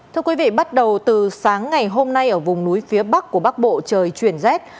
thưa quý vị bắt đầu từ sáng ngày hôm nay ở vùng núi phía bắc của bắc bộ trời chuyển rét